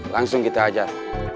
langsung kita ajar